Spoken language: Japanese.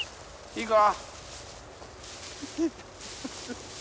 いいか？